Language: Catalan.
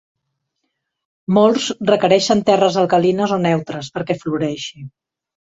Molts requereixen terres alcalines o neutres perquè floreixi.